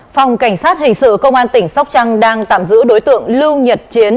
phòng cảnh sát hình sự công an tỉnh sóc trăng đang tạm giữ đối tượng lưu nhật chiến